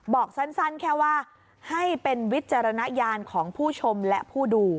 บอกสั้นแค่ว่าให้เป็นวิจารณญาณของผู้ชมและผู้ดู